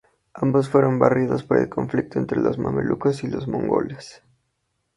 Ambos fueron barridos por el conflicto entre los mamelucos y los mongoles.